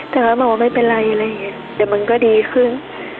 แต่ก็บอกว่าไม่เป็นไรอะไรอย่างเงี้ยแต่มันก็ดีขึ้น